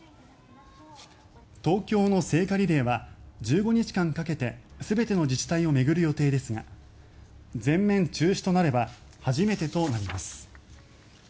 東京の聖火リレーは１５日間かけて全ての自治体を巡る予定ですが全面中止となれば初めてとなります。